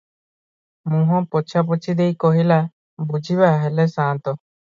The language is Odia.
ମୁହଁ ପୋଛିପାଛି ଦେଇ କହିଲା- ବୁଝିବା ହେଲେ ସାନ୍ତ!